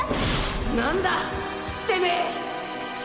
何だてめぇ！？